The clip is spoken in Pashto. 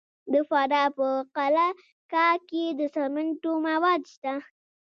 د فراه په قلعه کاه کې د سمنټو مواد شته.